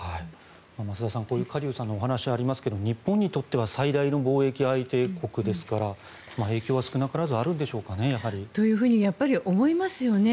増田さんカ・リュウさんのお話ありますが日本にとっては最大の貿易相手国ですから影響は少なからずあるんでしょうかね、やはり。というふうに思いますよね。